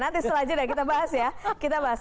nanti setelah ini kita bahas ya